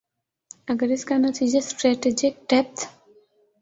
اگر اس کا نتیجہ سٹریٹجک ڈیپتھ